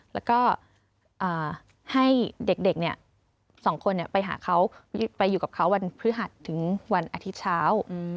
แล้วก็ให้เด็ก๒คนไปหาเขาไปอยู่กับเขาวันพฤหัสถึงวันอาทิตย์เช้า